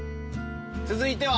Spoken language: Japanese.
続いては？